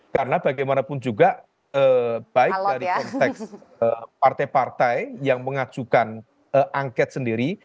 karena bagaimanapun juga baik dari konteks partai partai yang mengajukan angket sendiri